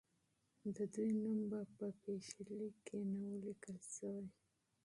د دوی نوم په پیشلیک کې نه وو لیکل سوی.